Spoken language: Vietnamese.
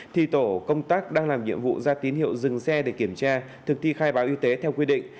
thì tổ công tác đang làm nhiệm vụ ra tín hiệu dừng xe để kiểm tra thực thi khai báo y tế theo quy định